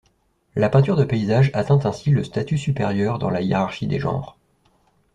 La peinture de paysage atteint ainsi le statut supérieur dans la hiérarchie des genres.